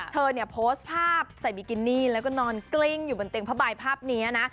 เธอเนี่ยโพสต์ภาพใส่บิกินี่แล้วก็นอนกลิ้งอยู่บนเตียงผ้าใบภาพนี้นะ